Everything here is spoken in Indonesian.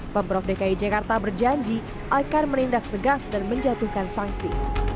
pemprov dki jakarta berjanji akan menindak tegas dan menjatuhkan sanksi